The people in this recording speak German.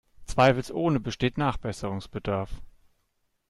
Zweifelsohne besteht Nachbesserungsbedarf.